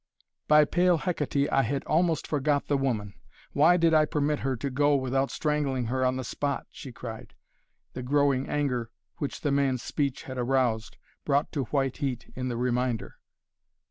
"By pale Hekaté, I had almost forgot the woman! Why did I permit her to go without strangling her on the spot?" she cried, the growing anger which the man's speech had aroused, brought to white heat in the reminder.